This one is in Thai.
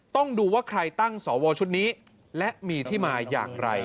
ต้องดูว่าใครตั้งสวชุดนี้และมีที่มาอย่างไร